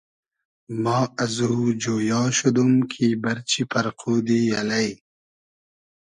ما ازو جۉیا شودوم کی بئرچی پئرقودی الݷ